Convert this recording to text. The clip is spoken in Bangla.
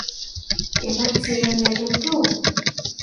এবার চেনা গেল তো?